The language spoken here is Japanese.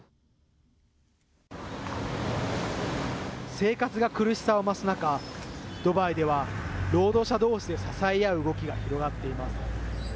生活が苦しさを増す中、ドバイでは、労働者どうしで支え合う動きが広がっています。